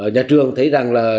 nhà trường thấy rằng là